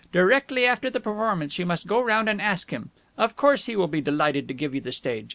Directly after the performance you must go round and ask him. Of course he will be delighted to give you the stage.